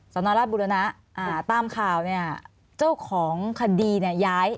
สนราชบุรณะตามข่าวเนี่ยเจ้าของคดีเนี่ยย้าย